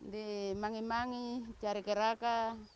di mangi mangi cari keraka